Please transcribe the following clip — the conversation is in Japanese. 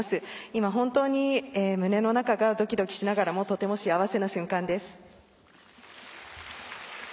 今、本当に胸の中がドキドキしながらもとても幸せな瞬間です。